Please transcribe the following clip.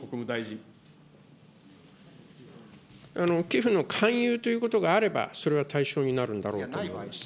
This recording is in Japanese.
寄付の勧誘ということがあれば、それは対象になるんだろうと思います。